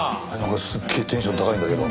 すっげえテンション高いんだけど。